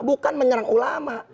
bukan menyerang ulama